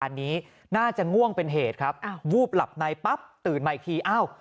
อันนี้น่าจะง่วงเป็นเหตุครับวูบหลับในปั๊บตื่นมาอีกทีอ้าว